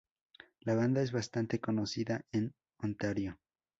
La banda es bastante conocida en Ontario.